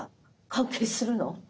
関係するの？